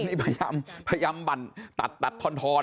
นี่พยายามบั่นตัดทอนไป